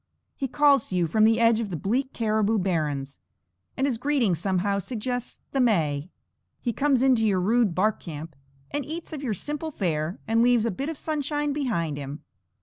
He calls to you from the edges of the bleak caribou barrens, and his greeting somehow suggests the May. He comes into your rude bark camp, and eats of your simple fare, and leaves a bit of sunshine behind him.